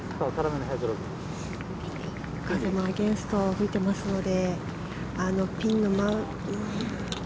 風もアゲンストが吹いていますので。